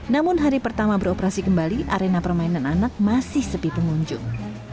namun hari pertama beroperasi kembali arena permainan anak masih sepi pengunjung